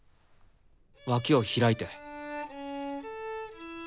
脇を開いて。